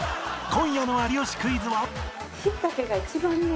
今夜の『有吉クイズ』は